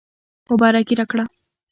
مبارکي راکړه.